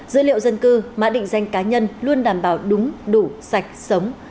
dữ liệu dân cư mã định danh cá nhân luôn đảm bảo đúng đủ sạch sống